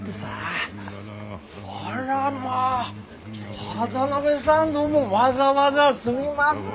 あらまあ渡辺さんどうもわざわざすみません。